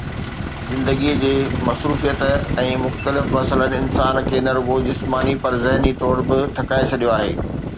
زندگيءَ جي مصروفيت ۽ مختلف مسئلن انسان کي نه رڳو جسماني پر ذهني طور به ٿڪائي ڇڏيو آهي